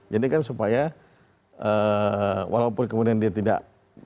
jadi kan supaya walaupun kemudian dia tidak diambil